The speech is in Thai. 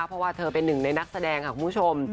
เพราะว่าเธอเป็นหนึ่งในนักแสดงค่ะคุณผู้ชม